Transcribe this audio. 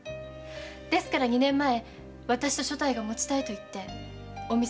ですから二年前私と「所帯が持ちたい」と言ってお店を出てしまったんです。